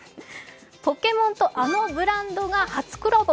ポケモンとあのブランドが初コラボ。